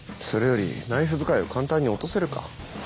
それよりナイフ使いを簡単に落とせるか？